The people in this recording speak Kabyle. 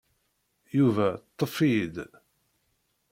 Yuba ṭṭef-iyi-d.